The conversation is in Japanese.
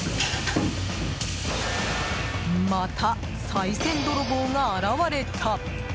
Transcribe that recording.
また、さい銭泥棒が現れた！